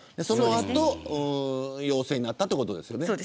その後陽性になったということですね。